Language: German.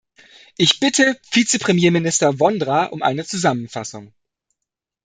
Ich bitte Vizepremierminister Vondra um eine Zusammenfassung.